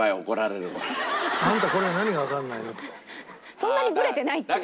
そんなにブレてないっていう。